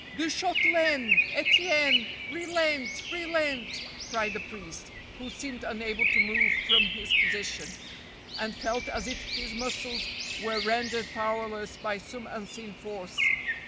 " De Shautelaine, Etienne, relent, relent! " cried the priest, who seemed unable to move from his posi¬ tion, arid felt as if his muscles were rendered power¬ less by some unseen force.